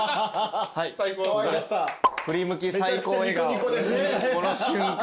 振り向き最高笑顔この瞬間。